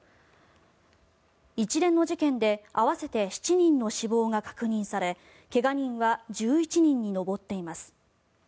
一連の事件で合わせて７人の死亡が確認され怪我人は１１人に上っています。